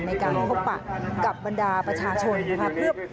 ในการให้พบกับบรรดาประชาชนนะครับ